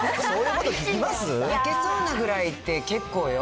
泣けそうなぐらいって、結構よ。